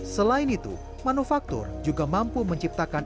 selain itu manufaktur juga mampu menciptakan